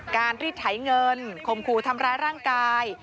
การรีดไถเงินคมครูทำร้ายร่างกาย